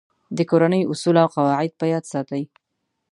د کورنۍ اصول او قواعد په یاد ساتئ.